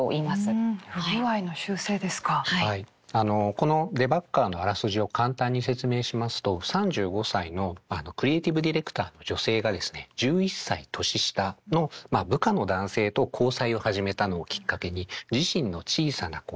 この「デバッガー」のあらすじを簡単に説明しますと３５歳のクリエイティブディレクターの女性がですね１１歳年下の部下の男性と交際を始めたのをきっかけに自身の小さな変化